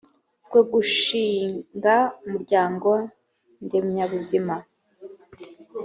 bwo gushinga umuryango ndemyabuzima